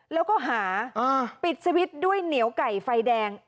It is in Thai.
แล้วก็หาปิดสวิตช์ด้วยเหนียวไก่ไฟแดง